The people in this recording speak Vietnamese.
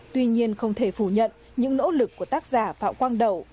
tuy nhiên không thể phủ nhận những nỗ lực của tác giả phạm quang đầu